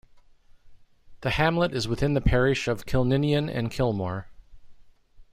The hamlet is within the parish of Kilninian and Kilmore.